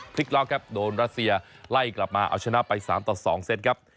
พลิกล็อกครับโดนรัสเซียไล่กลับมาเอาชนะไป๓ต่อ๒เซตครับ